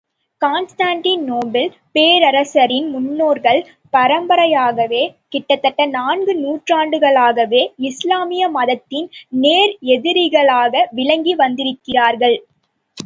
Constantinople பேரரசரின் முன்னோர்கள், பரம்பரையாகவே கிட்டத்தட்ட நான்கு நூற்றாண்டுகளாகவே இஸ்லாமிய மதத்தின் நேர் எதிரிகளாக விளங்கி வந்திருக்கிறார்கள்.